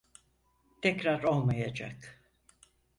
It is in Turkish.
Tekrar olmayacak.